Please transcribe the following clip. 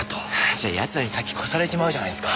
じゃあ奴らに先越されちまうじゃないですか。